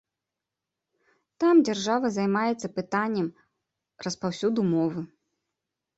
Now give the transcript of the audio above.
Там дзяржава займаецца пытаннем распаўсюду мовы.